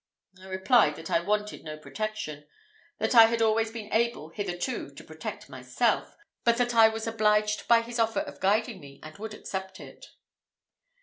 I replied that I wanted no protection; that I had always been able, hitherto, to protect myself; but that I was obliged by his offer of guiding me, and would accept it.